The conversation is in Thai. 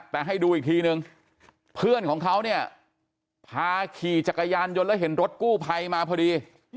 แต่ให้ดูอีกทีนึงเพื่อนของเขาเนี่ยพาขี่จักรยานยนต์แล้วเห็นรถกู้ภัยมาพอดี